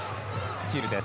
スチールです。